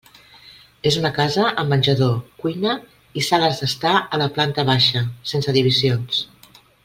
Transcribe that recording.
És una casa amb menjador, cuina i sales d'estar a la planta baixa sense divisions.